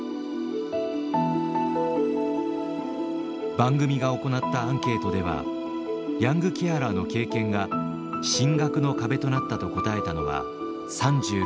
番組が行ったアンケートではヤングケアラーの経験が進学の壁となったと答えたのは３６．２％。